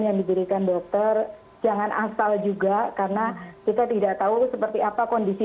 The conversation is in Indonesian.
yang diberikan dokter jangan asal juga karena kita tidak tahu seperti apa kondisi